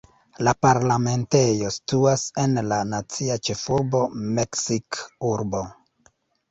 La parlamentejo situas en la nacia ĉefurbo Meksik-urbo.